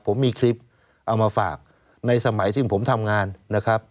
ผมมีคลิปเอามาฝากในสมัยซึ่งผมทำงานนะครับ